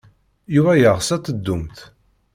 Yuba yeɣs ad teddumt.